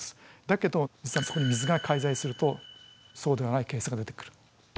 だけど実はそこに水が介在するとそうではないケースが出てくる。